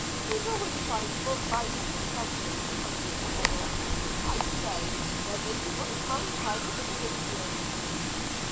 He's always trying for a bite out of something hungry beggar. I say, dessay he wouldn't mind trying a bit of Indian."